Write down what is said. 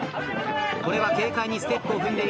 これは軽快にステップを踏んでいく。